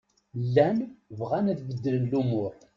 Llan bɣan ad beddlen lumuṛ.